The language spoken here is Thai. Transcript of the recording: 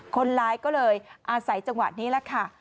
คนร้ายก็เลยอาศัยจังหวะนี้แหละค่ะ